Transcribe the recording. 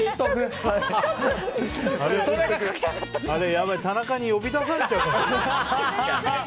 やばい田中に呼び出されちゃう。